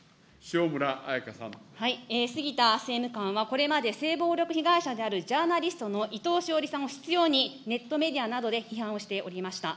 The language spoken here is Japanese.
杉田政務官は、これまで性暴力被害者であるジャーナリストの伊藤詩織さんを執ようにネットメディアなどで批判をしておりました。